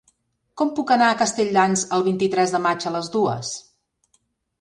Com puc anar a Castelldans el vint-i-tres de maig a les dues?